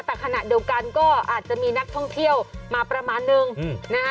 แต่ขณะเดียวกันก็อาจจะมีนักท่องเที่ยวมาประมาณนึงนะคะ